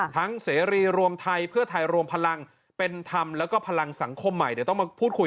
ทั้งเสรีรวมไทยเพื่อไทยรวมพลังเป็นธรรมและก็พลังสังคมใหม่